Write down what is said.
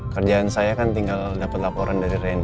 kerjaan saya kan tinggal dapat laporan dari reni